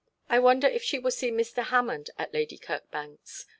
'I wonder if she will see Mr. Hammond at Lady Kirkbank's?'